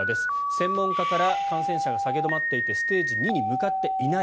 専門家から感染者が下げ止まっていてステージ２に向かっていない。